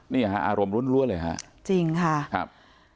นี่อารมณ์ล้วนเลยครับ